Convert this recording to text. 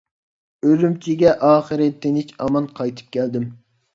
ئۈرۈمچىگە ئاخىرى تىنچ-ئامان قايتىپ كەلدىم.